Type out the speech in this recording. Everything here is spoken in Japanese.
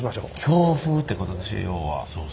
京風ってことでしょ要は。